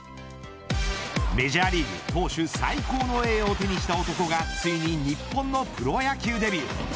メジャーリーグ投手最高の栄誉を手にした男がついに日本のプロ野球デビュー。